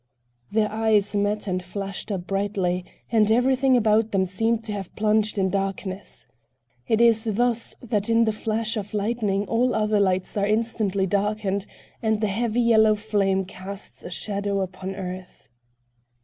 Their eyes met and flashed up brightly, and everything about them seemed to have plunged in darkness. It is thus that in the flash of lightning all other lights are instantly darkened and the heavy yellow flame casts a shadow upon earth.